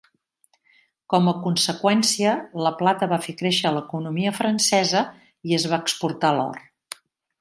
Com a conseqüència, la plata va fer créixer l'economia francesa i es va exportar l'or.